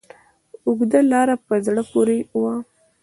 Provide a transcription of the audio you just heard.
اوږده لاره په زړه پورې وه.